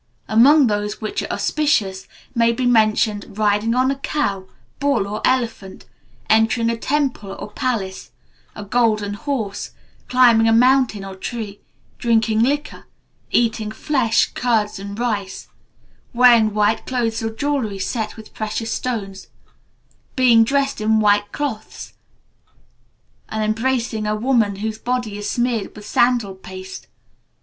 Among those which are auspicious, may be mentioned riding on a cow, bull, or elephant, entering a temple or palace, a golden horse, climbing a mountain or tree, drinking liquor, eating flesh, curds and rice, wearing white cloths, or jewelry set with precious stones, being dressed in white cloths, and embracing a woman, whose body is smeared with sandal paste.